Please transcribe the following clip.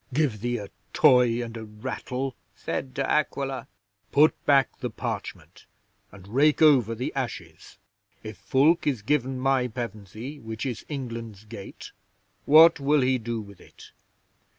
'"Give thee a toy and a rattle," said De Aquila. "Put back the parchment, and rake over the ashes. If Fulke is given my Pevensey, which is England's gate, what will he do with it?